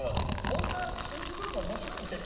ホントは新宿の方が面白いんでしょ？